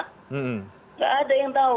nggak ada yang tahu